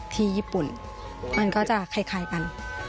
ที่ญี่ปุ่นมันก็จะคล้ายกัน